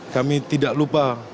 kami tidak lupa